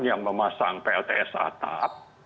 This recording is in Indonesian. yang memasang plts atap